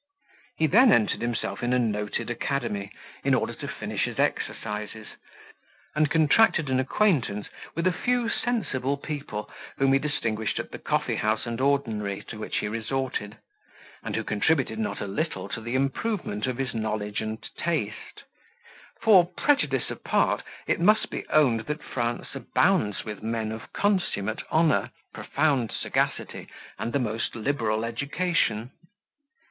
He then entered himself in a noted academy, in order to finish his exercises, and contracted an acquaintance with a few sensible people, whom he distinguished at the coffee house and ordinary to which he resorted, and who contributed not a little to the improvement of his knowledge and taste; for, prejudice apart, it must be owned that France abounds with men of consummate honour, profound sagacity, and the most liberal education.